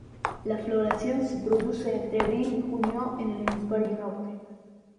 La floración se produce entre abril y junio en el hemisferio norte.